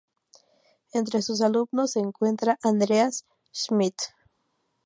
Entre sus alumnos se encuentran Andreas Schmidt.